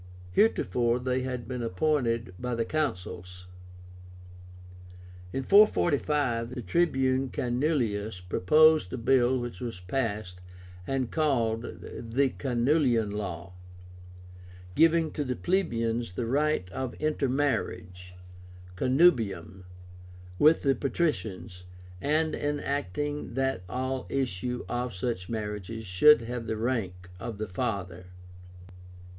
Heretofore they had been appointed by the Consuls. In 445 the Tribune Canuleius proposed a bill which was passed, and called the CANULEIAN LAW, giving to the plebeians the right of intermarriage (connubium) with the patricians, and enacting that all issue of such marriages should have the rank of the father.